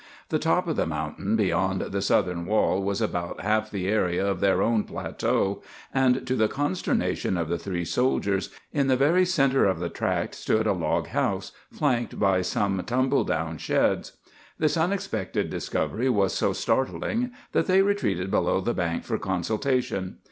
The top of the mountain beyond the southern wall was about half the area of their own plateau, and, to the consternation of the three soldiers, in the very center of the tract stood a log house flanked by some tumble down sheds. This unexpected discovery was so startling that they retreated below the bank for consultation.